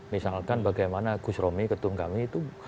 misalkan bagaimana gus romi ketum kami itu